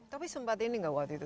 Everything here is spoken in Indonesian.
tapi sempat ini nggak waktu itu